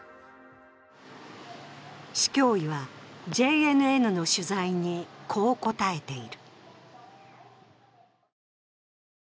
市教委はＪＮＮの取材にこう答えている。